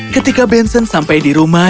ketika benson sampai di rumah